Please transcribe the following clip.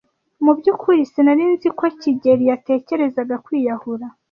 Mu byukuri sinari nzi ko kigeli yatekerezaga kwiyahura.